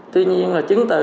tuy nhiên là chứng từ